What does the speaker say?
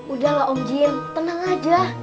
udah lah om jin tenang aja